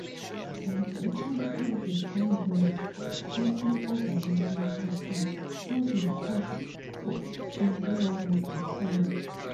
By breaking private landlords' control over rental housing, housing costs for everyone would decline.